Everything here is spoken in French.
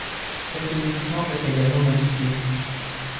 Quelques équipements furent également modifiés.